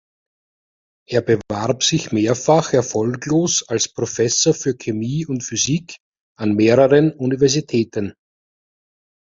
Er bewarb sich mehrfach erfolglos als Professor für Chemie und Physik an mehreren Universitäten.